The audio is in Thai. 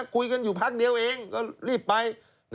คุยกันอยู่พักเดียวเองก็รีบไป